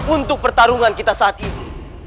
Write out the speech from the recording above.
untuk pertarungan kita saat ini